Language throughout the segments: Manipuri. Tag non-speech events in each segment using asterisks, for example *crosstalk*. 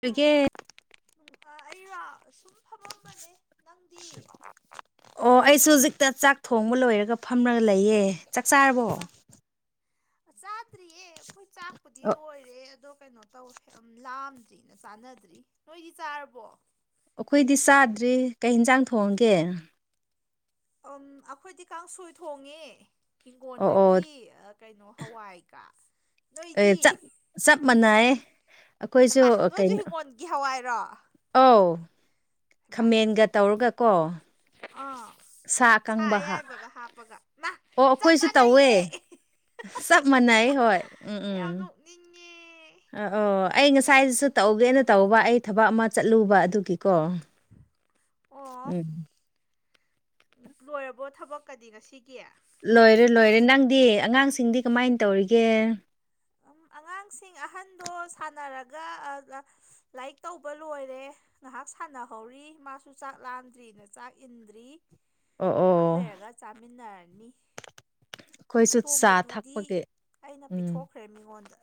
ꯍꯧꯗꯒꯤꯦ ꯆꯥꯔꯕ ꯑꯩꯔꯣ ꯁꯨꯝ ꯐꯝꯃꯝꯕꯅꯦ ꯅꯪꯗꯤ ꯑꯣ ꯑꯩꯁꯨ ꯍꯧꯖꯤꯛꯇ ꯆꯥꯛ ꯊꯣꯡꯕ ꯂꯣꯏꯔꯒ ꯐꯝꯃꯒ ꯂꯩꯌꯦ ꯆꯥꯛ ꯆꯥꯔꯕꯣ ꯃꯥ ꯆꯥꯗ꯭ꯔꯤꯌꯦ ꯑꯩꯈꯣꯏ ꯆꯥꯛꯄꯨꯗꯤ ꯑꯣ ꯂꯣꯏꯔꯦ ꯑꯗꯣ ꯀꯩꯅꯣ ꯇꯧ ꯂꯥꯝꯗ꯭ꯔꯤꯅ ꯆꯥꯟꯅꯗ꯭ꯔꯤ ꯅꯣꯏꯗꯤ ꯆꯥꯔꯕꯣ ꯑꯩꯈꯣꯏꯗꯤ ꯆꯥꯗ꯭ꯔꯤ ꯀꯩ ꯌꯦꯟꯁꯥꯡ ꯊꯣꯡꯒꯦ ꯎꯝ ꯑꯩꯈꯣꯏꯗꯤ ꯀꯥꯡꯁꯣꯏ ꯊꯣꯡꯉꯦ ꯑꯣ ꯑꯣ ꯍꯤꯡꯒꯣꯣꯟꯗꯒꯤ ꯀꯩꯅꯣ ꯍꯋꯥꯏꯒ ꯑꯦ ꯅꯣꯏꯗꯤ ꯆꯞ ꯆꯞ ꯃꯅꯑ ꯑꯩꯈꯣꯏꯁꯨ ꯍꯩꯃꯥ ꯅꯣꯏꯁꯨ ꯀꯩꯅꯩꯅꯣ ꯍꯤꯡꯒꯣꯜꯒꯤ ꯍꯋꯥꯏꯔꯣ ꯑ ꯍꯩꯃꯥ ꯈꯃꯦꯟꯒ ꯇꯧꯔꯒ ꯀꯣ ꯑꯥ ꯁꯥ ꯑꯀꯪꯕ ꯍꯥꯞ ꯑꯌꯥꯏꯕꯒ ꯍꯥꯞꯄꯒ ꯃꯥ ꯑꯣ ꯆꯞ ꯑꯩꯈꯣꯏꯁꯨ ꯇꯧꯋꯦ ꯃꯥꯟꯅꯩꯌꯦ ꯆꯞ ꯃꯥꯟꯅꯩ ꯍꯣꯏ ꯎꯝ ꯎꯝ ꯌꯥꯝ ꯅꯣꯛꯅꯤꯡꯉꯦ ꯑ ꯑꯣ ꯑꯩ ꯉꯁꯥꯏ ꯁ꯭ꯋꯥꯏꯗꯁꯨ ꯇꯧꯒꯦꯅ ꯇꯧꯕ ꯑꯩ ꯊꯕꯛ ꯑꯃ ꯆꯠꯂꯨꯕ ꯑꯗꯨꯒꯤꯀꯣ ꯑꯣ ꯎꯝ ꯂꯣꯏꯔꯕꯣ ꯊꯕꯛꯀꯗꯤ ꯉꯁꯤꯒꯤ ꯂꯣꯏꯔꯦ ꯂꯣꯏꯔꯦ ꯅꯪꯗꯤ ꯑꯉꯥꯡꯁꯤꯡꯗꯤ ꯀꯃꯥꯏꯅ ꯇꯧꯔꯤꯒꯦ ꯎꯝ ꯑꯉꯥꯡꯁꯤꯡ ꯑꯍꯟꯗꯣ ꯁꯥꯟꯅꯔꯒ ꯂꯥꯏꯔꯤꯛ ꯇꯧꯕ ꯂꯣꯏꯔꯦ ꯉꯥꯏꯍꯥꯛ ꯁꯥꯟꯅꯍꯧꯔꯤ ꯃꯥꯁꯨ ꯆꯥꯛ ꯂꯥꯟꯗ꯭ꯔꯤꯅ ꯆꯥꯛ ꯏꯟꯗ꯭ꯔꯤ ꯑꯣ ꯉꯥꯏꯍꯥꯛ ꯑꯣ ꯂꯩꯔꯒ ꯆꯥꯃꯤꯟꯅꯔꯅꯤ ꯑꯩꯈꯣꯏꯁꯨ ꯆꯥ ꯊꯛꯄꯒꯤ ꯎꯝ ꯇꯃꯤ ꯋꯥꯗ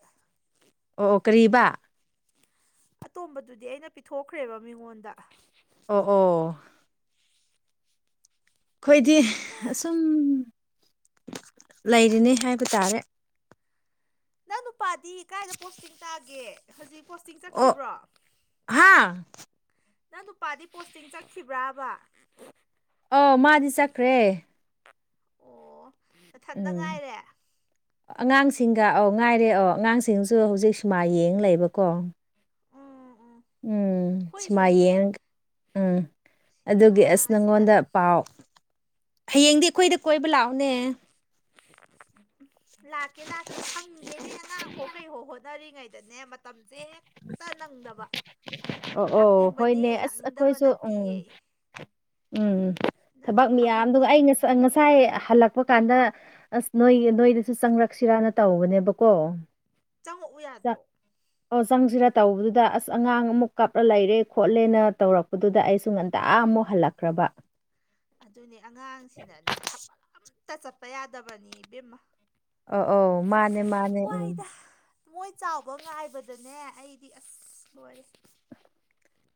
ꯑꯣ ꯑꯣ ꯀꯔꯤꯕ ꯑꯇꯣꯝꯕꯗꯨꯗꯤ ꯑꯩꯅ ꯄꯤꯊꯣꯛꯈ꯭ꯔꯦꯕ ꯃꯤꯉꯣꯟꯗ ꯑꯣ ꯑꯣ ꯑꯩꯈꯣꯏꯗꯤ ꯑꯁꯨꯝ ꯂꯩꯔꯤꯅꯤ ꯍꯥꯏꯕ ꯇꯥꯔꯦ ꯅꯪ ꯅꯨꯄꯥꯗꯤ ꯀꯥꯏꯗ ꯄꯣꯠꯁꯤꯡ ꯇꯥꯒꯦ ꯍꯧꯖꯤꯛ ꯄꯣꯁꯇꯤꯡ ꯑꯣ ꯆꯠꯈꯤꯕ꯭ꯔꯣ ꯍꯥ ꯅꯪ ꯅꯨꯄꯥꯗꯤ ꯄꯣꯁꯇꯤꯡ ꯆꯠꯈꯤꯕ꯭ꯔꯥꯕ ꯑ ꯃꯥꯗꯤ ꯆꯠꯈ꯭ꯔꯦ ꯑꯣ ꯃꯊꯟꯇ ꯎꯝ ꯉꯥꯏꯔꯦ ꯑꯉꯥꯡꯁꯤꯡꯒ ꯑꯧ ꯉꯥꯏꯔꯦ ꯑꯧ ꯑꯉꯥꯡꯁꯤꯡꯁꯨ ꯍꯧꯖꯤꯛ ꯁꯨꯃꯥꯏ ꯌꯦꯡ ꯂꯩꯕꯀꯣ ꯎꯝ ꯎꯝ ꯎꯝ ꯁꯤꯃꯥꯏ ꯑꯩꯈꯣꯏꯁꯨꯅꯤꯅꯦ ꯌꯦꯡ ꯎꯝ ꯁꯤꯅꯦꯃꯥ ꯑꯗꯨꯒꯤ ꯑꯁ ꯑꯁꯤꯗ ꯅꯪꯉꯣꯟꯗ ꯄꯥꯎ ꯍꯌꯦꯡꯗꯤ ꯑꯩꯈꯣꯏꯗ ꯀꯣꯏꯕ ꯂꯥꯛꯑꯣꯅꯦ ꯂꯥꯛꯀꯦ ꯂꯥꯛꯀꯦ ꯁꯪꯗꯦꯅꯦ ꯑꯉꯥꯡ ꯍꯣ ꯀꯩꯍꯣ ꯍ ꯆꯠꯅꯔꯤꯉꯩꯗꯅꯦ ꯃꯇꯝꯁꯦ ꯍꯦꯛꯇ ꯅꯪꯗꯕ ꯑꯣ ꯑꯣ ꯂꯥꯛꯅꯤꯡꯕꯅꯦ ꯍꯣꯏꯅꯦ ꯑꯁ ꯂꯥꯛꯅꯤꯡꯗꯕ ꯑꯩꯈꯣꯏꯁꯨ ꯎꯝ ꯅꯠꯇꯤꯌꯦ ꯎꯝ ꯅꯪꯁꯨ ꯊꯕꯛ ꯃꯌꯥꯝꯗꯨ ꯈꯪꯉꯝꯅꯤ ꯑꯩ ꯉꯁꯥꯏ ꯍꯜꯂꯛꯄ ꯀꯥꯟꯗ ꯗ ꯑꯁ ꯅꯣꯏ ꯅꯣꯏꯗꯁꯨ ꯆꯪꯪꯂꯛꯁꯤꯔꯥꯅ ꯇꯧꯕꯅꯦꯕꯀꯣ ꯆꯪꯉꯛꯎ ꯆ ꯌꯥꯗ꯭ꯔꯣ ꯑꯣ ꯆꯪꯁꯤꯔ ꯇꯧꯕꯗꯨꯗ ꯑꯁ ꯑꯁ ꯑꯉꯥꯡ ꯑꯃꯨꯛ ꯀꯞꯂ ꯂꯩꯔꯦ ꯈꯣꯠꯂꯦꯅ ꯇꯧꯔꯛꯄꯗꯨꯗ ꯑꯩꯁꯨ ꯉꯟꯇꯥ ꯑꯃꯨꯛ ꯍꯜꯂꯛꯈ꯭ꯔꯕ ꯑꯗꯨꯅꯦ ꯑꯉꯥꯡꯁꯤꯅꯅꯦ ꯊꯄꯜ ꯑꯝꯇ ꯆꯠꯄ ꯌꯥꯗꯕꯅꯤ ꯏꯕꯦꯝꯃ ꯑ ꯑ ꯃꯥꯅꯦ ꯃꯥꯅꯦ ꯎꯝ ꯋꯥꯏꯗ ꯃꯣꯏ ꯆꯥꯎꯕ ꯉꯥꯏꯕꯗꯅꯦ ꯑꯩꯗꯤ ꯑꯁ ꯂꯣꯏꯔꯦ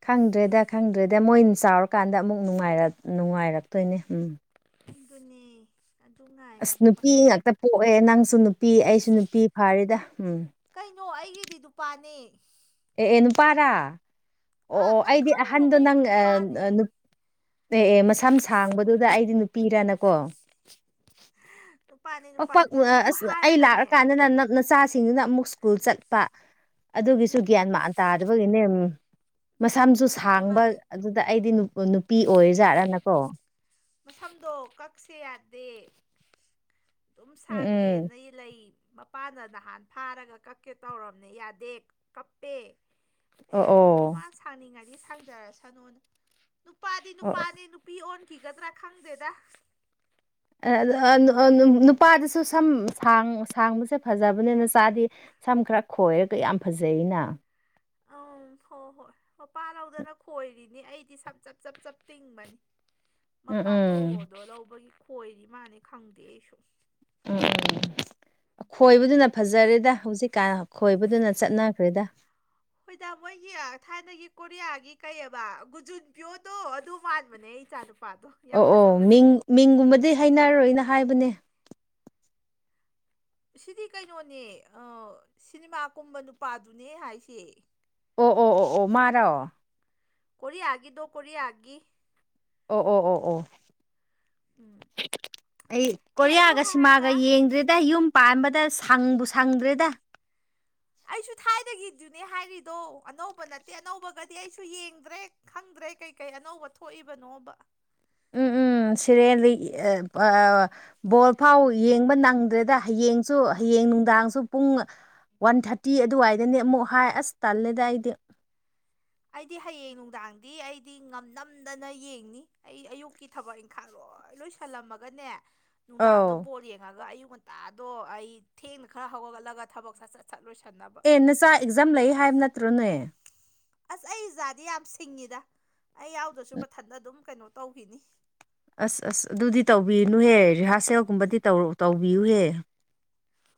ꯈꯪꯗ꯭ꯔꯦꯗ ꯈꯪꯗ꯭ꯔꯦꯗ ꯃꯣꯏꯅ ꯆꯥꯎꯔꯀꯥꯟꯗ ꯑꯃꯨꯛ ꯅꯨꯡꯉꯥꯏꯔꯛꯇꯣꯏꯅꯦ ꯎꯝ ꯑꯗꯨꯅꯤ ꯑꯁ ꯅꯨꯄꯤ ꯉꯥꯛꯇ ꯄꯣꯛꯑꯦ ꯅꯪꯁꯨ ꯅꯨꯄꯤ ꯑꯩꯁꯨ ꯅꯨꯄꯤ ꯐꯥꯔꯤꯗ ꯎꯝ ꯀꯩꯅꯣ ꯑꯩꯒꯤꯗꯤ ꯅꯨꯄꯥꯅꯦ ꯑꯦ ꯑꯦ ꯅꯨꯄꯥꯔꯥ ꯑꯣ ꯑꯥ ꯑꯣ ꯅꯪ ꯑꯩꯗꯤ ꯈꯪꯗ꯭ꯔꯣ ꯑꯍꯟꯗꯣ ꯀꯩꯅꯣ ꯅꯪ ꯅꯨꯄꯥꯅꯦ ꯑꯦ ꯑꯦ ꯃꯁꯝ ꯁꯥꯡꯕꯗꯨꯗ ꯑꯩꯗꯤ ꯅꯨꯄꯤꯔꯅꯀꯣ ꯅꯨꯄꯥꯅꯦ ꯄꯥꯛ ꯄꯥꯛ ꯅꯨꯄꯥꯅꯦ ꯑꯗꯨ ꯑꯁ ꯑꯩ ꯍꯥꯏꯔꯒꯅꯦ ꯂꯥꯛꯑꯀꯥꯟꯗꯅ ꯅꯛꯅꯆꯥ ꯁꯤꯡꯗꯨꯅ ꯑꯃꯨꯛ ꯁ꯭ꯀꯨꯜ ꯆꯠꯄ ꯑꯗꯨꯒꯤꯁꯨ ꯎꯝ ꯒ꯭ꯌꯥꯟ ꯃꯥꯟ ꯇꯥꯗꯕꯒꯤꯅꯦ ꯃꯁꯥ ꯃꯁꯨ ꯃꯥꯅꯦ ꯁꯥꯡꯕ ꯃꯥꯅꯦ ꯑꯗꯨꯗ ꯑꯩꯗꯤ ꯅꯨꯄꯤ ꯑꯣꯏꯖꯥꯠꯅꯀꯣ ꯃꯁꯝꯗꯣ ꯀꯛꯁꯦ ꯌꯥꯗꯦ ꯑꯗꯨꯝ ꯎꯝ ꯎꯝ ꯁꯥꯡꯒꯦꯅ ꯂꯩ ꯃꯄꯥꯟꯅ ꯅꯍꯥꯟ ꯐꯥꯔꯒ ꯀꯛꯀꯦ ꯇꯧꯔꯕꯅꯦ ꯌꯥꯗꯦ ꯀꯞꯄꯦ ꯑꯦ ꯇꯨ ꯑꯣ ꯃꯥ ꯁꯥꯡꯅꯤꯡꯉꯗꯤ ꯁꯥꯡꯖꯔꯁꯅꯨꯅ ꯅꯨꯄꯥꯗꯤ ꯑꯣ ꯅꯨꯄꯥꯅꯤ ꯅꯨꯄꯤ ꯑꯣꯟꯈꯤꯒꯗ꯭ꯔꯥ ꯈꯪꯗꯦꯗ ꯅꯨꯄꯥꯗꯁꯨ ꯁꯝ ꯁꯥꯡꯕꯁꯦ ꯐꯖꯕꯅꯤꯅ ꯆꯥꯗꯤ ꯁꯝ ꯈꯔ ꯈꯣꯏꯔꯒ ꯌꯥꯝ ꯐꯖꯩꯅ ꯑꯪ ꯍꯣꯏ ꯍꯣꯏ ꯃꯄꯥ ꯂꯧꯗꯅ ꯈꯣꯏꯔꯤꯅꯤ ꯑꯩꯗꯤ ꯁ ꯆꯞ ꯆꯞ ꯆꯞ ꯇꯤꯡꯕꯅꯤ ꯎꯝ ꯃꯄꯥ ꯎꯝ ꯇꯣꯔꯣꯗꯣ ꯂꯧꯕꯒꯤ ꯈꯣꯏꯔꯤ ꯃꯥꯅꯤ ꯈꯪꯗꯦ ꯑꯩꯁꯨ ꯎꯝ ꯎꯝ ꯈꯣꯏꯕꯗꯨꯅ ꯐꯖꯔꯦꯗ ꯍꯧꯖꯤꯛ ꯀꯥꯟꯅ ꯈꯣꯏꯕꯗꯨꯅ ꯆꯠꯅꯈ꯭ꯔꯦꯗ ꯍꯣꯏꯗ ꯃꯣꯏꯒꯤ ꯊꯥꯏꯅꯒꯤ ꯀꯣꯔꯤꯌꯥꯒꯤ ꯀꯩꯑꯕ ꯒꯨꯖꯨꯟ ꯄꯤꯌꯣꯗꯣ ꯑꯗꯨ ꯃꯥꯟꯕꯅꯦ ꯏꯆꯥꯅꯨꯄꯥ ꯑꯣ ꯑꯣ ꯃꯤꯡ ꯃꯤꯡꯒꯨꯝꯕꯗꯤ ꯍꯥꯏꯅꯔꯔꯣꯏꯅ ꯍꯥꯏꯕꯅꯦ ꯁꯤꯗꯤ ꯀꯩꯅꯣꯅꯦ ꯁꯤꯅꯤꯃꯥ ꯀꯨꯝꯕ ꯅꯨꯄꯥꯗꯨꯅꯦ ꯍꯥꯏꯁꯦ ꯑꯣ ꯑꯣ ꯑꯣ ꯑꯣ ꯃꯥꯔꯣ ꯀꯔꯤ ꯑꯒꯦꯗꯣ ꯀꯔꯤ ꯑꯦ ꯑꯣ ꯑꯣ ꯑꯣ ꯑꯣ ꯎꯝ ꯑꯩ ꯑꯦ ꯑꯗꯨ ꯀꯣꯔꯤꯌꯥꯒ ꯁꯤꯃꯥꯒ ꯍꯥꯏꯔꯒ ꯌꯦꯡꯗ꯭꯭ꯔꯦꯗ ꯌꯨꯝ ꯄꯥꯝꯕꯗ ꯁꯪꯕꯨ ꯁꯪꯗ꯭ꯔꯦꯗ ꯑꯩꯁꯨ ꯊꯥꯏꯒꯤꯗꯨꯅꯦ ꯍꯥꯏꯔꯤꯗꯣ ꯑꯅꯧꯕ ꯅꯠꯇꯦ ꯑꯅꯧꯕꯒꯗꯤ ꯑꯩꯁꯨ ꯌꯦꯡꯗ꯭ꯔꯦ ꯈꯪꯗ꯭ꯔꯦ ꯀ꯭ꯔꯩ ꯀꯩꯀꯩ ꯑꯅꯧꯕ ꯊꯣꯛꯏꯕꯅꯣꯕ ꯎꯝ ꯎꯝ ꯁꯤꯔꯦꯟꯜꯂꯤ ꯕꯣꯜ ꯐꯥꯎ ꯌꯦꯡꯕ ꯅꯪꯗ꯭ꯔꯦꯗ ꯍꯌꯦꯡꯁꯨ ꯃꯥ ꯍꯌꯦꯡ ꯅꯨꯡꯗꯥꯡꯁꯨ ꯄꯨꯡ ꯋꯥꯟ ꯊꯥꯔꯇꯤ ꯑꯗꯨꯋꯥꯏꯗꯅꯦ ꯑꯃꯨꯛ ꯍꯥꯏ ꯑꯁ ꯇꯜꯂꯦꯗ ꯑꯩꯗꯤ ꯑꯩꯗꯤ ꯍꯌꯦꯡ ꯅꯨꯡꯗꯥꯡꯗꯤ ꯑꯩꯗꯤ ꯉꯝꯅꯝꯗꯅ ꯌꯦꯡꯅꯤ ꯑꯩ ꯑꯌꯨꯛꯀꯤ ꯊꯕꯛ ꯏꯪꯈꯠꯂꯣꯑꯣ ꯍꯣꯏ ꯂꯣꯏꯁꯜꯂꯝꯃꯒꯅꯦ ꯅꯨꯡꯗꯥꯡꯗ ꯑꯧ ꯕꯣꯔꯠ ꯌꯦꯡꯉꯒ ꯑꯌꯨꯛ ꯍꯣꯟꯟꯇꯥꯗꯣ ꯑꯩ ꯊꯦꯡꯅ ꯈꯔ ꯍꯧꯒꯠꯂꯠꯂꯒ ꯊꯕꯛ ꯆꯠ ꯆꯠ ꯆꯠꯂꯣꯏꯁꯤ ꯑꯦ ꯅꯆꯥ ꯑꯦꯛꯖꯥꯝ ꯂꯩ ꯍꯥꯏꯕ ꯅꯠꯇ꯭ꯔꯣꯅꯦ ꯑꯁ ꯑꯩ ꯏꯖꯥꯗꯤ ꯌꯥꯝ ꯁꯤꯡꯉꯤꯗ ꯑꯩ ꯌꯥꯎꯗꯁꯨ ꯃꯊꯟꯇ ꯑꯗꯨꯝ ꯀꯩꯅꯣ ꯇꯧꯈꯤꯅꯤ ꯑꯁ ꯑꯁ ꯑꯗꯨꯗꯤ ꯇꯧꯕꯤꯅꯨꯍꯦ ꯔꯤꯍꯥꯔꯁꯦꯜꯒꯨꯝꯕꯗꯤ ꯇꯧꯕꯤꯌꯨꯍꯦ *unintelligible*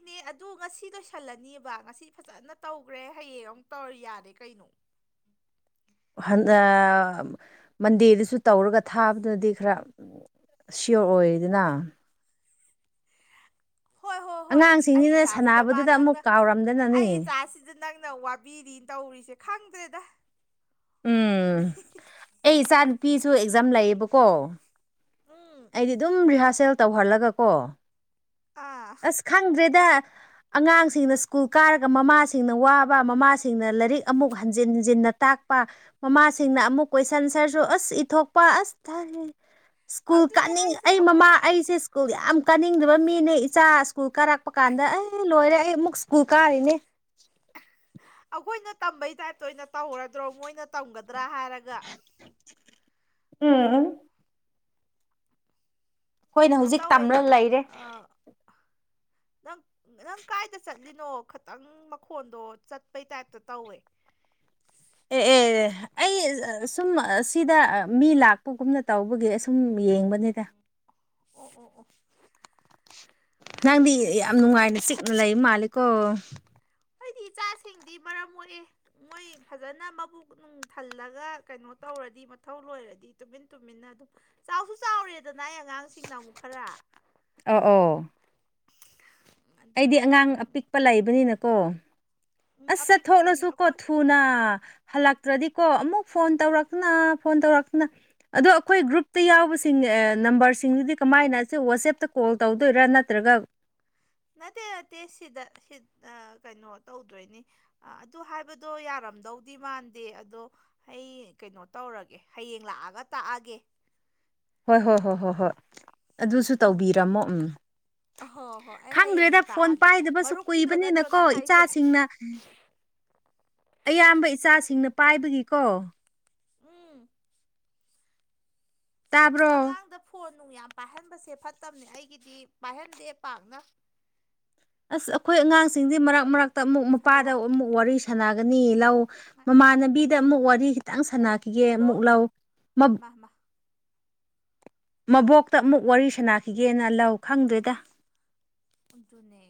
ꯁꯤꯅꯦ ꯑꯗꯨ ꯉꯁꯤ ꯂꯣꯏꯁꯜꯂꯅꯤꯕ ꯉꯁꯤ ꯐꯖꯅ ꯇꯧꯈ꯭ꯔꯦ ꯍꯌꯦꯡ ꯑꯃꯨꯛ ꯇꯧꯔ ꯌꯥꯔꯦ ꯀꯩꯅꯣ *unintelligible* ꯃꯟꯗꯦꯗꯁꯨ ꯇꯧꯔꯒ ꯊꯥꯕꯗꯨꯅꯗꯤ ꯈꯔ ꯁꯤꯌꯣꯔ ꯑꯣꯏꯔꯤꯗꯅ ꯍꯣꯏ ꯍꯣꯏ ꯍꯣꯏ ꯑꯁ ꯑꯩ ꯑꯉꯥꯡꯁꯤꯡꯅꯤꯅ ꯏꯆꯥꯁꯤꯗ ꯃꯥ ꯁꯥꯟꯅꯕꯗꯨꯗ ꯑꯃꯨꯛ ꯅꯪꯅ ꯀꯥꯎꯔꯝꯗꯅꯅꯤ ꯑꯩ ꯏꯆꯥꯁꯤꯗ ꯅꯪꯅ ꯋꯥꯕꯤꯔꯤ ꯇꯧꯔꯤꯁꯦ ꯈꯪꯗ꯭ꯔꯦꯗ ꯎꯝ ꯑꯩ ꯏꯆꯥ ꯅꯨꯨꯄꯤꯁꯨ ꯑꯦꯛꯖꯥꯝ ꯂꯩꯌꯦꯕꯀꯣ ꯎꯝ ꯇꯧꯍꯜꯂꯒ ꯀꯣ ꯑꯥ ꯑꯁ ꯈꯪꯗ꯭ꯔꯦꯗ ꯑꯉꯥꯡꯁꯤꯡꯅ ꯁ꯭ꯀꯨꯜ ꯀꯥꯔꯒ ꯃꯃꯥꯁꯤꯡꯅ ꯋꯥꯕ ꯃꯃꯥꯁꯤꯡꯅ ꯂꯥꯏꯔꯤꯛ ꯑꯃꯨꯛ ꯍꯟꯖꯤꯟ ꯍꯟꯖꯤꯟ ꯅ ꯇꯥꯛꯄ ꯃꯃꯥꯁꯤꯡꯅ ꯑꯃꯨꯛ ꯀꯣꯏꯁꯟꯟ ꯁꯔꯁꯨ ꯑꯁ ꯏꯊꯣꯛꯄ ꯑꯁ ꯊꯥꯔꯦ ꯁ꯭ꯀꯨꯜ ꯑꯗꯨꯅꯦ ꯀꯥꯅꯤꯡ ꯍꯥꯏꯁꯦ ꯑꯩ ꯃꯃꯥ ꯑꯩꯈꯣꯏꯅ ꯑꯩꯁꯦ ꯁ꯭ꯀꯨꯜ ꯌꯥꯝ ꯀꯥꯅꯤꯡꯗꯕ ꯃꯤꯅꯦ ꯏꯆꯥ ꯁ꯭ꯀꯨꯜ ꯀꯥꯔꯛꯄ ꯀꯥꯟꯗ ꯑꯩ ꯂꯣꯏꯔꯦ ꯑꯩ ꯑꯃꯨꯛ ꯁ꯭ꯀꯨꯜ ꯀꯥꯔꯤꯅꯦ ꯑꯩꯈꯣꯏꯅ ꯇꯝꯕꯩ ꯇꯥꯏꯞꯇ ꯑꯣꯏꯅ ꯇꯧꯍꯔꯗ꯭ꯔꯣ ꯃꯣꯏꯅ ꯇꯝꯒꯗ꯭ꯔꯥ ꯍꯥꯏꯔꯒ ꯎꯝ ꯎ ꯑꯩꯈꯣꯏꯅ ꯀꯩꯅꯣ ꯍꯧꯖꯤꯛ ꯇꯧꯋꯦ ꯇꯝꯂꯒ ꯂꯩꯔꯦ ꯅꯪ ꯅꯪ ꯀꯥꯏꯗ ꯆꯠꯂꯤꯅꯣ ꯈꯤꯇꯪ ꯃꯈꯣꯟꯗꯣ ꯆꯠꯄꯩ ꯇꯥꯏꯞꯇ ꯇꯧꯋꯦ *unintelligible* ꯑꯦ ꯑꯦ ꯑꯩ ꯁꯨꯝ ꯁꯤꯗ ꯃꯤ ꯂꯥꯛꯄꯒꯨꯝꯅ ꯇꯧꯕꯒꯤ ꯑ ꯁꯨꯝ ꯌꯦꯡꯕꯅꯤꯗ ꯑꯣ ꯑꯣ ꯑꯣ ꯐꯔꯦ ꯅꯪꯗꯤ ꯐꯔꯦ ꯌꯥꯝ ꯅꯨꯡꯉꯥꯏꯅ ꯆꯤꯛꯅ ꯂꯩ ꯃꯥꯂꯦꯀꯣ ꯁꯤꯡꯗꯤ ꯃꯔꯝ ꯑꯣꯏꯑꯦ ꯃꯣꯏ ꯐꯖꯅ ꯃꯕꯨꯛ ꯅꯨꯡ ꯊꯜꯂꯒ ꯀꯩꯅꯣ ꯇꯧꯔꯗꯤ ꯃꯊꯧ ꯂꯣꯏꯔꯗꯤ ꯇ ꯇꯟꯅ ꯑꯗꯨꯝ ꯆꯥꯎꯁꯨ ꯆꯥꯎꯔ ꯑꯅꯥꯏ ꯑꯉꯥꯡꯁꯤꯡꯅ ꯑꯃꯨꯛ ꯈꯔ ꯑꯣ ꯑꯣ ꯑꯩꯗꯤ ꯑꯗꯨꯅ ꯑꯉꯥꯡ ꯎꯝ ꯑꯄꯤꯛꯄ ꯂꯩꯕꯅꯤꯅꯀꯣ ꯎꯝ ꯑꯁ ꯑꯄꯤꯛ ꯎꯝ ꯆꯠꯊꯣꯛꯂꯁꯨ ꯀꯣ ꯑꯩꯈꯣꯏ ꯊꯨꯅ ꯍꯜꯂ ꯇ꯭ꯔꯗꯤꯀꯣ ꯑꯃꯨꯛ ꯐꯣꯟ ꯇꯧꯔꯛꯇꯅ ꯐꯣꯟ ꯇꯧꯔꯛꯇꯅ ꯑꯗꯣ ꯑꯩꯈꯣꯏ ꯒ꯭ꯔꯨꯞꯇ ꯌꯥꯎꯕꯁꯤꯡꯅꯦ ꯅꯝꯕꯔꯁꯤꯡꯗꯨꯗꯤ ꯀꯃꯥꯏꯅ ꯑꯁꯦ ꯋꯥꯆꯦꯞꯇ ꯀꯣꯜ ꯇꯧꯗꯣꯏꯔꯥ ꯅꯠꯇ꯭ꯔꯒ ꯅꯠꯇꯦ ꯅꯠꯇꯦ ꯁꯤꯗ ꯀꯩꯅꯣ ꯇꯧꯗꯣꯏꯅꯤ ꯑꯗꯨ ꯍꯥꯏꯕꯗꯣ ꯌꯥꯔ ꯇꯔꯝꯗꯧꯗꯤ ꯃꯥꯟꯗꯦ ꯑꯗꯣ ꯑꯩ ꯀꯩꯅꯣ ꯇꯧꯔꯒꯦ ꯍꯌꯦꯡ ꯂꯥꯛꯑꯒ ꯇꯥꯛꯑꯒꯦ ꯍꯣꯏ ꯍꯣꯏ ꯍꯣꯏ ꯍꯣꯏ ꯍꯣꯏ ꯑꯗꯨꯁꯨ ꯎꯝ ꯇꯧꯕꯤꯔꯝꯃꯣ ꯎꯝ ꯑꯍꯣꯏ ꯍꯣꯏ ꯑꯩ ꯍꯌꯦꯡ ꯈꯪꯗ꯭ꯔꯦꯗ ꯐꯣꯟ ꯇꯥꯛꯑꯒꯦ ꯄꯥꯏꯗꯕꯁꯨ ꯃꯔꯨꯞꯀꯤꯗꯣ ꯅꯠꯇ꯭ꯔꯣ ꯀꯨꯏꯕꯅꯤꯅꯀꯣ ꯅꯪ ꯍꯥꯏꯁꯦ ꯏꯆꯥꯁꯤꯡꯅ ꯑꯌꯥꯝꯕ ꯏꯆꯥꯁꯤꯡꯅ ꯄꯥꯏꯕꯒꯤꯀꯣ ꯎꯝ ꯇꯥꯕ꯭ꯔꯣ ꯑꯉꯥꯡꯗ ꯐꯣꯟ ꯅꯨꯡ ꯌꯥꯝ ꯄꯥꯏꯍꯟꯕꯁꯦ ꯐꯠꯇꯕꯅꯦ ꯑꯩꯒꯤꯗꯤ ꯄꯥꯏꯍꯟꯗꯦ ꯄꯥꯛꯅ ꯑꯁ ꯑꯩꯈꯣꯏ ꯑꯉꯥꯡꯁꯤꯡꯁ ꯃꯔꯛ ꯃꯔꯛꯇ ꯑꯃꯨꯛ ꯍꯜꯂꯣ ꯃꯄꯥꯗ ꯑꯃꯨꯛ ꯋꯥꯔꯤ ꯁꯥꯟꯅꯒꯅꯤ ꯂꯧ ꯃꯃꯥꯟꯅꯕꯤꯗ ꯑꯃꯨꯛ ꯋꯥꯔꯤ ꯈꯤꯇꯪ ꯁꯥꯟꯅꯈꯤꯒꯦ ꯍꯜꯂꯣ ꯑꯃꯨꯛ ꯂꯥꯎꯑꯣ ꯃꯥ ꯃꯥ ꯃꯕꯣꯛꯇ ꯑꯃꯨꯛ ꯋꯥꯔꯤ ꯁꯥꯟꯅꯈꯤꯒꯦꯅ ꯂꯧ ꯈꯪꯗ꯭ꯔꯦꯗ ꯑꯗꯨꯠꯇꯅꯦ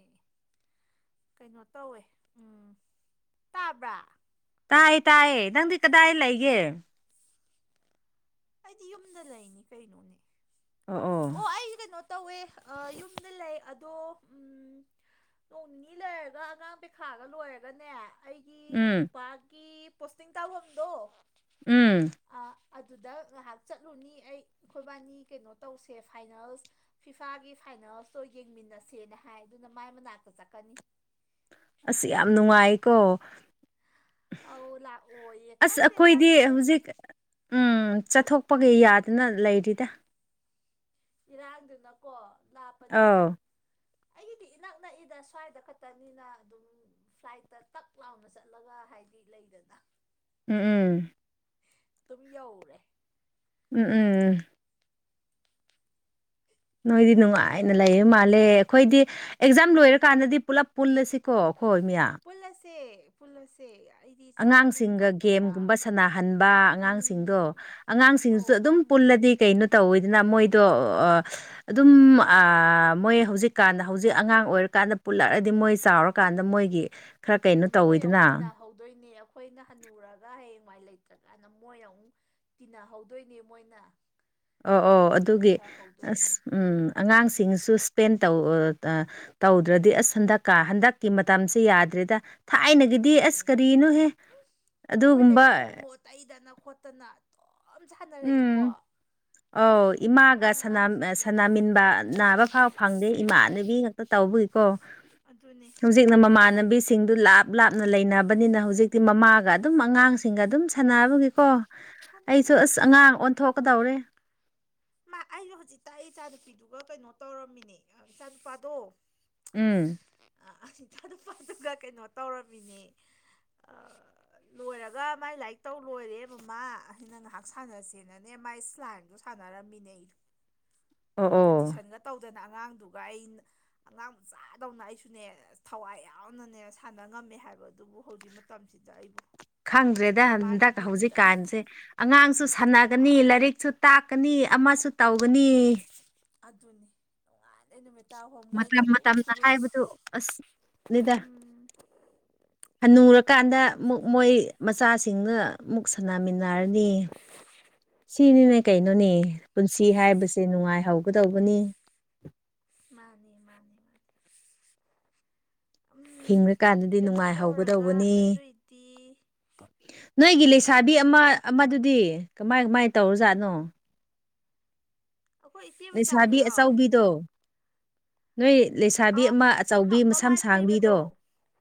ꯀꯩꯅꯣ ꯇꯧꯋꯦ ꯎꯝ ꯇꯥꯕ꯭ꯔꯥ ꯇꯥꯏꯌꯦ ꯇꯥꯏꯌꯦ ꯅꯪꯗꯤ ꯀꯗꯥꯏ ꯂꯩꯒꯦ ꯑꯩꯗꯤ ꯌꯨꯝꯗ ꯂꯩꯅꯤ ꯀꯩꯅꯣꯅꯦ ꯑꯣ ꯑꯣ ꯀꯩꯅꯣ ꯇꯧꯋꯦ ꯌꯨꯝꯗ ꯂꯩ ꯑꯗꯣ ꯎꯝ ꯅꯣꯡ ꯅꯤꯅꯤ ꯂꯩꯔꯒ ꯑꯉꯥꯡ ꯄꯩꯈꯥꯒ ꯂꯣꯏꯔꯒꯅꯦ ꯑꯩꯒꯤ ꯎꯝ ꯅꯨꯄꯥꯒꯤ ꯄꯣꯁꯇꯤꯡ ꯇꯥꯐꯝꯗꯣ ꯎꯝ ꯑꯥ ꯑꯗꯨꯗ ꯉꯥꯏꯍꯥꯛ ꯆꯠꯂꯨꯅꯤ ꯑꯩ ꯑꯩꯈꯣꯏꯕꯥꯅꯤ ꯀꯩꯅꯣ ꯇꯧꯁꯦ ꯐꯥꯏꯅꯦꯜꯁ ꯐꯤꯐꯥꯒꯤ ꯐꯥꯏꯅꯥꯜꯁꯇ ꯌꯦꯡꯃꯤꯟꯅꯁꯦꯅ ꯍꯥꯏ ꯑꯗꯨꯅ ꯃꯥꯏ ꯃꯅꯥꯛꯇ ꯆꯠꯀꯅꯤ ꯑꯁ ꯌꯥꯝ ꯅꯨꯡꯉꯥꯏꯀꯣ ꯑꯧ ꯂꯥꯛꯑꯣꯌꯦ ꯑꯁ ꯈꯪꯗꯦꯗ ꯑꯩꯈꯣꯏꯗꯤ ꯑꯩꯗꯤ ꯍꯧꯖꯤꯛ ꯎꯝ ꯆꯠꯊꯣꯛꯄꯒꯤ ꯎꯝ ꯌꯥꯗꯅ ꯂꯩꯔꯤꯗ ꯏꯔꯥꯡꯗꯨꯅꯀꯣ ꯂꯥꯞꯄꯅꯤꯅ ꯑꯧ ꯑꯩꯒꯤꯗꯤ ꯏꯅꯛ *unintelligible* ꯅꯛꯏꯗ ꯁ꯭ꯋꯥꯏꯗ ꯈꯛꯇꯅꯤꯅ ꯑꯗꯨꯝ ꯐ꯭ꯂꯥꯏꯠꯇ ꯇꯛ ꯂꯥꯎꯕ ꯆꯠꯂꯒ ꯍꯥꯏꯗꯤ ꯂꯩꯗꯅ ꯎꯝ ꯎꯝ ꯑꯗꯨꯝ ꯌꯧꯔꯦ ꯎꯝ ꯎꯝ ꯎꯝ ꯅꯣꯏꯗꯤ ꯅꯨꯡꯉꯥꯏꯅ ꯂꯩꯕ ꯃꯥꯜꯂꯦ ꯑꯩꯈꯣꯏꯗꯤ ꯑꯦꯛꯖꯥꯝ ꯂꯣꯏꯔꯀꯥꯟꯗꯗꯤ ꯄꯨꯂꯞ ꯄꯨꯜꯂꯁꯤꯀꯣ ꯑꯩꯈꯣꯏ ꯃꯌꯥꯝ ꯄꯨꯜꯂꯁꯦ ꯄꯨꯜꯂꯁꯦ ꯑꯩꯗꯤ ꯆꯥꯛ ꯅꯨꯡ ꯑꯉꯥꯡꯁꯤꯡꯒ ꯇꯧꯗꯅ ꯒꯦꯝꯒꯨꯝꯕ ꯁꯥꯟꯅꯍꯟꯕ ꯑꯉꯥꯡꯁꯤꯡꯗꯣ ꯎꯝ ꯑꯧ ꯑꯉꯥꯡꯁꯤꯡꯗꯨꯁꯨ ꯑꯗꯨꯝ ꯄꯨꯜ ꯑꯉꯥꯡꯗꯣ ꯗꯤ ꯀꯩꯅꯨ ꯇꯧ ꯏꯗꯅ ꯃꯣꯏ ꯑꯣ ꯑꯗꯨꯝ ꯃꯣꯏ ꯍꯧꯖꯤꯛꯀꯥꯟꯗ ꯍꯧꯖꯤꯛ ꯑꯉꯥꯡ ꯑꯣꯏꯔꯀꯥꯟꯗ ꯄꯨꯜꯂꯛꯑꯗꯤ ꯃꯣꯏ ꯆꯥꯎꯔꯀꯥꯟꯗ ꯃꯣꯏꯒꯤ ꯈꯔ ꯀꯩꯅꯣ ꯎꯝ ꯃꯣꯏ ꯑꯃꯨꯛ ꯇꯧꯋꯤꯗꯅ ꯇꯤꯟꯅꯍꯧꯗꯣꯏꯅꯦ ꯑꯩꯈꯣꯏꯅ ꯍꯜꯟꯅꯨꯔꯒ ꯍꯌꯦꯡꯋꯥꯏ ꯂꯩꯇ꯭ꯔꯀꯥꯟꯗ ꯃꯣꯏꯅ ꯑꯃꯨꯛ ꯇꯤꯟꯅꯍꯧꯗꯣꯏꯅꯦ ꯃꯣꯏꯅ ꯑꯣ ꯑꯣ ꯑꯗꯨꯒꯤ ꯑꯁ ꯂꯩꯊꯍꯧꯗꯣꯏꯅꯤ ꯎ ꯎꯝ ꯑꯉꯥꯡꯁꯤꯡꯁꯨ ꯏꯁꯄꯦꯟ ꯇꯧ ꯑ ꯇꯧꯗ꯭ꯔꯗꯤ ꯑꯁ ꯍꯟꯗꯛꯀꯥ ꯍꯟꯗꯛꯀꯤ ꯃꯇꯝꯁꯤꯦ ꯌꯥꯗ꯭ꯔꯦꯗ *inaudible* ꯊꯥꯏꯅꯒꯤꯗꯤ ꯑꯁ ꯀꯔꯤꯅꯣꯍꯦ ꯑꯩꯈꯣꯏ ꯑꯗꯨꯒꯨꯝꯕ ꯂꯩꯈꯣꯝ ꯍꯣ ꯇꯩꯗꯅ ꯈꯣꯠꯇꯅ ꯌꯥꯝ ꯎꯝ ꯁꯥꯟꯅꯔꯛꯏꯀꯣ ꯑꯧ ꯑꯁ ꯏꯃꯥꯒ ꯍꯧꯖꯤꯛꯀꯥꯟ ꯑꯉꯥꯡꯁꯤꯡꯗꯤ ꯁꯅꯃꯤꯟꯕ ꯅꯥꯕ ꯐꯥꯎ ꯐꯪꯗꯦ ꯏꯃꯥꯟꯅꯕꯤ ꯉꯥꯛꯇ ꯇꯧꯕꯒꯤꯀꯣ ꯑꯣ ꯑꯗꯨꯅꯦ ꯍꯧꯖꯤꯛꯅ ꯃꯃꯥꯟꯅꯕꯤꯁꯤꯡꯗꯨ ꯂꯥꯞ ꯂꯥꯞꯅ ꯂꯩꯅꯕꯅꯤꯅ ꯍꯧꯖꯤꯛꯇꯤ ꯃꯃꯥꯒ ꯑꯗꯨꯝ ꯑꯉꯥꯡꯁꯤꯡꯒ ꯑꯗꯨꯝ ꯁꯅꯕꯒꯤꯀꯣ ꯑꯩꯁꯨ ꯑꯁ ꯑꯉꯥꯡ ꯑꯣꯟꯊꯣꯛꯀꯗꯧꯔꯦ ꯃꯥ ꯑꯩꯁꯨ ꯍꯧꯖꯤꯛꯇ ꯑꯩ ꯏꯆꯥ ꯅꯨꯨꯄꯤꯗꯨꯒ ꯀꯩꯅꯣ ꯇꯧꯔꯝꯃꯤꯅꯦ ꯏꯆꯥ ꯅꯨꯨꯄꯥꯗꯣ ꯎꯝ ꯑ ꯑꯁꯤ ꯊ ꯑꯗꯨ ꯑꯗꯨꯒ ꯀꯩꯅꯣ ꯇꯧꯔꯝꯃꯤꯅꯦ ꯂꯣꯏꯔꯒ ꯃꯥꯏ ꯂꯥꯏꯔꯤꯛ ꯇꯧ ꯂꯣꯏꯔꯦꯕꯃꯥ ꯑꯩꯅ ꯉꯥꯏꯍꯥꯛ ꯁꯥꯟꯅꯁꯦꯅꯅꯦ ꯃꯥꯥꯏ ꯁꯂꯥꯏꯟꯗꯣ ꯁꯥꯟꯅꯔꯝꯃꯤꯅꯦ ꯑꯩꯁꯨ ꯑꯣ ꯑꯣ ꯀꯝꯄꯤꯇꯤꯁꯟꯒ ꯇꯧ ꯑꯗꯨꯅ ꯑꯉꯥꯡꯗꯨꯒ ꯑꯩ ꯑꯉꯥꯡ ꯆꯥꯗꯧꯅ ꯑꯩꯁꯨꯅꯦ ꯊꯋꯥꯏ ꯌꯥꯎꯅꯅꯦ ꯁꯥꯟꯅ ꯉꯝ ꯊꯝꯃꯦ ꯍꯥꯏꯕ ꯑꯗꯨꯕꯨ ꯍꯧꯖꯤꯛ ꯃꯇꯝꯁꯤꯗ ꯑꯩꯕꯨ ꯈꯪꯗ꯭ꯔꯦꯗ ꯃꯥꯒꯤ ꯍꯟꯗꯛ ꯕꯤꯠꯇ ꯍꯧꯖꯤꯛꯀꯥꯟꯁꯦ ꯑꯉꯥꯡꯁꯨ ꯁꯥꯟꯅꯒꯅꯤ ꯂꯔꯤꯛꯁꯨ ꯇꯥꯛꯀꯅꯤ ꯑꯃꯁꯨ ꯇꯧꯒꯅꯤ ꯑꯗꯨꯅꯤ ꯅꯨꯃꯤꯠꯇꯥꯕꯧ ꯃꯣꯏꯒ ꯃꯇꯝ ꯑꯗꯨꯝ ꯃꯇꯝꯅ ꯁꯨꯔꯨꯁꯨ ꯍꯥꯏꯕꯗꯨ ꯑꯁ ꯎꯝ ꯍꯅꯨꯔꯀꯥꯟꯗ ꯍꯣꯏ ꯑꯃꯨꯛ ꯃꯣꯏ ꯃꯆꯥꯁꯤꯡꯒ ꯑꯃꯨꯛ ꯁꯥꯟꯅꯃꯤꯟꯅꯔꯅꯤ ꯁꯤꯅꯤꯅꯦ ꯀꯩꯅꯣꯅꯦ ꯄꯨꯟꯁꯤ ꯍꯥꯏꯕꯁꯦ ꯅꯨꯡꯉꯥꯏꯍꯧꯒꯗꯧꯕꯅꯤ ꯃꯥꯅꯦ ꯃꯥꯅꯦ ꯃꯥꯅꯦ ꯍꯤꯡꯉꯀꯥꯟꯗꯗꯤ ꯅꯨꯡꯉꯥꯏꯍꯧꯒꯗꯧꯕꯅꯤ ꯑꯗꯨꯏꯗꯤ ꯅꯣꯏꯒꯤ ꯂꯩꯁꯥꯕꯤ ꯑꯃ ꯎꯝ ꯑꯃꯗꯨꯗꯤ ꯃꯥꯏ ꯃꯥꯏ ꯇꯧꯔꯖꯥꯠꯅꯣ ꯑꯩꯈꯣꯏ ꯏꯆꯦ ꯂꯩꯩꯁꯥꯕꯤ ꯃꯆꯥꯗꯨꯔꯣ ꯑꯆꯧꯕꯤꯗꯣ ꯅꯣꯏ ꯂꯩꯩꯁꯥꯕꯤ ꯑꯥ ꯑꯃ ꯑꯆꯧꯕꯤ ꯃꯁꯝ ꯃꯃꯥꯏ ꯐꯩꯕꯗꯣ ꯁꯥꯡꯕꯤꯗꯣ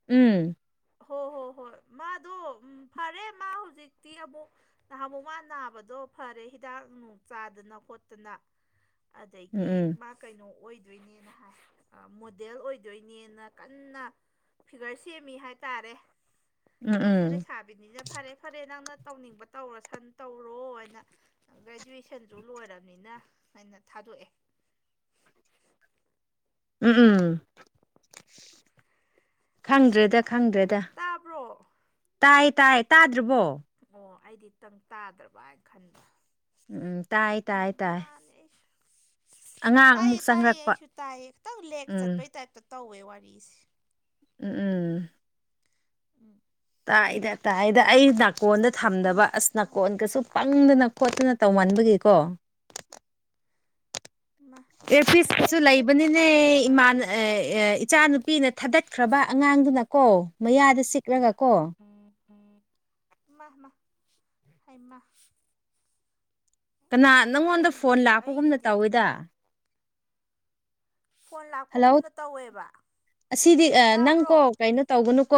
ꯎꯝ ꯍꯣ ꯍꯣ ꯍꯣꯏ ꯃꯥꯗꯣ ꯎ ꯐꯔꯦ ꯃꯥ ꯍꯧ ꯍꯧꯖꯤꯛꯇꯤ ꯑꯃꯨꯛ ꯅꯍꯥꯟ ꯑꯃꯨꯛ ꯃꯥ ꯅꯥꯕꯗꯣ ꯐꯔꯦ ꯍꯤꯗꯥꯛ ꯅꯨꯡ ꯆꯥꯗꯅ ꯈꯣꯠꯇꯅ *inaudible* ꯑꯗꯒꯤ ꯎꯝ ꯃꯥ ꯀꯩꯅꯣ ꯑꯣꯏꯗꯣꯏꯅꯦꯅ ꯍꯥꯏ ꯃꯣꯗꯦꯜ ꯑꯣꯏꯗꯣꯏꯅꯦꯅ ꯀꯟꯅ ꯐꯤꯒꯔ ꯁꯦꯝꯃꯤ ꯍꯥꯏꯇꯥꯔꯦ ꯎꯝ ꯎꯝ ꯀꯣꯏꯁꯨ ꯂꯩ ꯎꯝ ꯁꯥꯥꯕꯤꯅꯤꯅ ꯐꯔꯦ ꯐꯔꯦ ꯅꯪꯅ ꯇꯧꯅꯤꯡꯕ ꯇꯧꯔꯣ ꯁꯟ ꯇꯧꯔꯣ ꯍꯥꯏꯅ ꯒ꯭ꯔꯦꯖꯨꯋꯦꯁꯟꯁꯨ ꯂꯣꯏꯔꯕꯅꯤꯅ ꯑꯩꯅ ꯊꯥꯗꯣꯛꯑꯦ *inaudible* ꯎꯝ ꯎꯝ ꯈꯪꯗ꯭ꯔꯦꯗ ꯈꯪꯗ꯭ꯔꯦꯗ ꯇꯥꯕ꯭ꯔꯣ ꯇꯥꯏ ꯇꯥꯏ ꯇꯥꯗ꯭ꯔꯕꯣ ꯑꯣ ꯑꯩꯗꯤꯈꯤꯇꯪ ꯇꯥꯗ꯭ꯔꯕ ꯍꯥꯏꯅ ꯈꯟꯕ꯭ꯔ ꯎꯝ ꯇꯥꯏ ꯇꯥꯏ ꯇꯥꯏ ꯑꯩꯁꯨ ꯑꯉꯥꯡ ꯇꯥꯏꯌꯦ ꯑꯃꯨꯛ ꯇꯥꯏꯌꯦ ꯆꯪꯔꯛꯄ ꯑꯩꯁꯨ ꯇꯥꯏꯌꯦ ꯈꯤꯇꯪ ꯂꯦꯛ ꯎꯝ ꯆꯠꯄꯩ ꯇꯥꯏꯞꯇ ꯇꯧꯋꯦ ꯋꯥꯔꯤꯁꯦ ꯎꯝ ꯎꯝ ꯎꯝ ꯇꯥꯏꯗ ꯇꯥꯏꯗ ꯑꯩ ꯅꯥꯀꯣꯟꯗ ꯑ ꯊꯝꯗꯕ ꯑꯁ ꯅꯥꯀꯣꯟꯒꯁꯨ ꯄꯪꯗꯅ ꯈꯣꯠꯇꯅ ꯇꯧꯃꯟꯥꯟꯕꯒꯤꯀꯣ ꯃꯥ ꯑꯩ ꯑꯦꯐꯤꯁꯁꯨ ꯑꯩꯗꯤ ꯍꯦꯠꯐꯣꯟ ꯍꯥꯞꯆꯤꯜꯂꯒ ꯂꯩꯕꯅꯤꯅꯦꯃꯥꯟ ꯂꯩꯔꯦ ꯏꯆꯥꯅꯨꯄꯤꯅ ꯊꯥꯗꯠꯈ꯭ꯔꯕ ꯑꯉꯥꯡꯗꯨꯅ ꯀꯣ ꯃꯌꯥꯗ ꯁꯤꯛꯂꯒ ꯀꯣ *unintelligible* ꯀꯅꯥ ꯅꯪꯉꯣꯟꯗ ꯐꯣꯟ ꯑꯩꯒꯤꯁꯨ ꯂꯥꯛꯄꯒꯨꯝꯅ ꯑꯩꯒꯤꯗꯤ ꯇꯧꯏꯤꯗ ꯐꯣꯟ ꯍꯜꯂꯣ ꯂꯥꯛꯄꯒꯨꯝꯅ ꯇꯧꯋꯦꯕ ꯑꯁꯤꯗꯤ ꯅꯪ ꯇꯥꯕ꯭ꯔꯣ ꯀꯣ ꯀꯩꯅꯣ ꯇꯧꯒꯅꯨꯀꯣ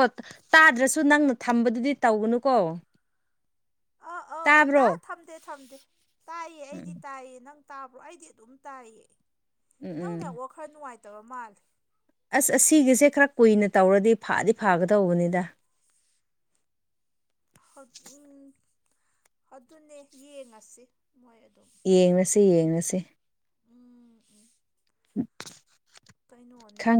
ꯇꯥꯗ꯭ꯔꯁꯨ ꯅꯪꯅ ꯊꯝꯕꯗꯨꯗꯤ ꯇꯧꯒꯅꯨꯀꯣ ꯑ ꯑ ꯇꯥ ꯇꯥꯕ꯭ꯔꯣ ꯊꯝꯗꯦ ꯊꯝꯗꯦ ꯇꯥꯏꯌꯦ ꯎꯝ ꯑꯩꯗꯤ ꯇꯥꯏꯌꯦ ꯅꯪ ꯇꯥꯕ꯭ꯔꯣ ꯑꯩꯗꯤ ꯑꯗꯨꯝ ꯇꯥꯏꯌꯦ ꯎꯝ ꯎꯝ ꯅꯪꯅꯦ ꯋꯥ ꯈꯔ ꯅꯨꯡꯉꯥꯏꯇ *unintelligible* ꯑꯁ ꯑꯁꯤꯒꯤꯁꯦ ꯈꯔ ꯀꯨꯏꯅ ꯇꯧꯔꯗꯤ ꯐꯥꯗꯤ ꯐꯥꯒꯗꯧꯕꯅꯤꯗ *inaudible* ꯎꯝ ꯑꯗꯨꯅꯦ ꯌꯦꯡꯉꯁꯤ ꯃꯣꯏ ꯑꯗꯨꯝ ꯌꯦꯡꯉꯁꯤ ꯌꯦꯡꯉꯁꯤ ꯎꯝ ꯎꯝ ꯎꯝ ꯀꯩꯅꯣꯅꯦ